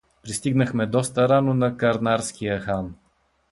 Пристигнахме доста рано на Карнарския хан.